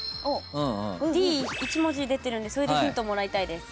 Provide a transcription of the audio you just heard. Ｄ１文字出てるんでそれでヒントもらいたいです。